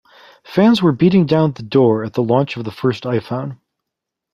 Fans were beating down the door at the launch of the first iPhone.